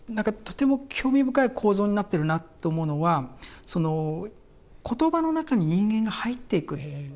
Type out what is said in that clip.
とても興味深い構造になってるなと思うのはその言葉の中に人間が入っていく。